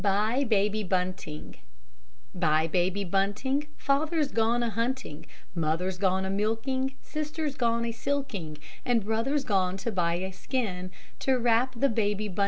BYE, BABY BUNTING Bye, baby bunting, Father's gone a hunting, Mother's gone a milking, Sister's gone a silking, And brother's gone to buy a skin To wrap the baby bunting in.